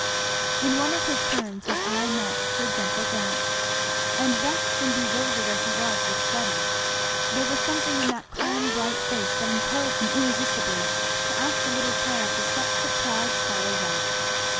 In one of his turns his eye met her gentle glance; and vexed and bewildered as he was with study there was something in that calm bright face that impelled him irresistibly to ask the little child to set the proud scholar right.